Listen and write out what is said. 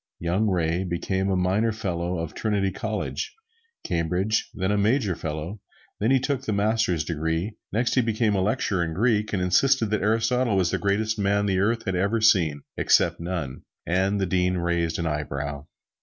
Young Ray became a Minor Fellow of Trinity College, Cambridge; then a Major Fellow; then he took the Master's degree; next he became lecturer on Greek; and insisted that Aristotle was the greatest man the world had ever seen, except none, and the Dean raised an eyebrow.